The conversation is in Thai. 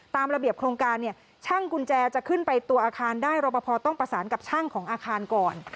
ตามระเบียบโครงการเนี่ยช่างกุญแจจะขึ้นไปตัวอาคารได้รอปภต้องประสานกับช่างของอาคารก่อน